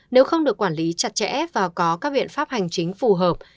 nếu không được quản lý chặt chẽ và có các biện pháp hành chính phù hợp